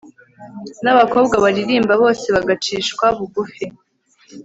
n'abakobwa baririmba bose bagacishwa bugufi